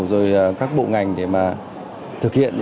rồi các bộ ngành để mà thực hiện